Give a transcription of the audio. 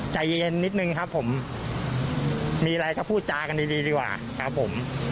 ใจเย็นนิดนึงครับผมมีอะไรก็พูดจากันดีดีกว่าครับผม